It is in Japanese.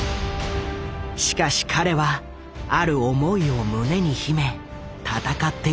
しかし彼はある思いを胸に秘め戦っていた。